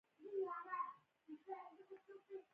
د کبیر خان جمپر هم له ما نه هره شیبه ښویده.